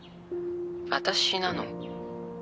「私なの」